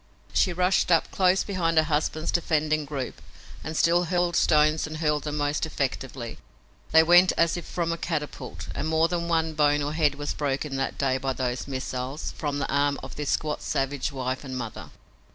She rushed up close beside her husband's defending group and still hurled stones and hurled them most effectively. They went as if from a catapult, and more than one bone or head was broken that day by those missiles from the arm of this squat savage wife and mother.